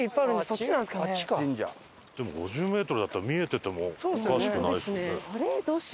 でも５０メートルだったら見えててもおかしくないですよね。